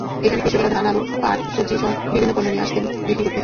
এখানে কৃষকেরা ধান, আলু, পাট, সবজিসহ বিভিন্ন পণ্য নিয়ে আসতেন বিক্রি করতে।